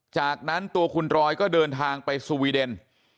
จากนั้นตัวคุณรอยก็เดินทางไปสวีเดน